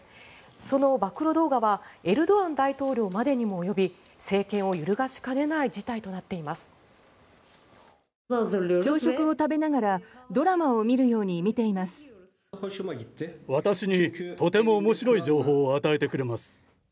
その暴露動画はエルドアン大統領までにも及び政権を揺るがしかねない事態となっています。